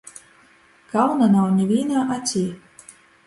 Kauna nav nivīnā acī!